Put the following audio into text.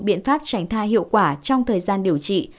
biện pháp tránh thai hiệu quả trong thời gian điều trị